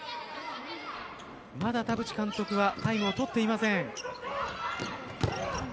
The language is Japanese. まだ、田渕監督はタイムを取っていません。